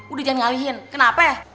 udah jangan ngalihin kenapa ya